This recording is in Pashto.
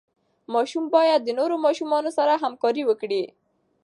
ماشوم باید د نورو ماشومانو سره همکاري وکړي.